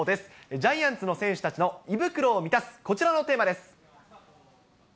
ジャイアンツの選手たちの胃袋を満たすこちらのテーマです。